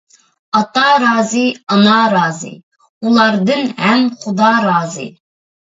ئاتا رازى، ئانا رازى، ئۇلاردىن ھەم خۇدا رازى.